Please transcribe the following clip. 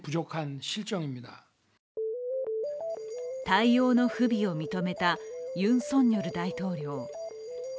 対応の不備を認めたユン・ソンニョル大統領。